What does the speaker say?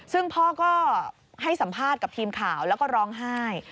ซึ่งพ่อก็ให้สัมภาษณ์กับทีมข่าวแล้วก็ร้องไห้